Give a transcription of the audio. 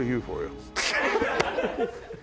ハハハハ！